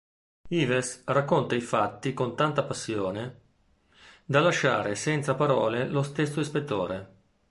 Yves racconta i fatti con tanta passione da lasciare senza parole lo stesso ispettore.